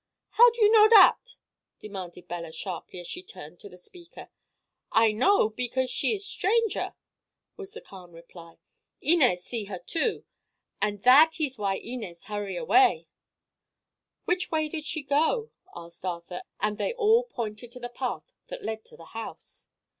"How you know that?" demanded Bella sharply, as she turned to the speaker. "I know because she is stranger," was the calm reply. "Inez see her, too, an' that ees why Inez hurry away." "Which way did she go?" asked Arthur, and they all pointed to the path that led to the house.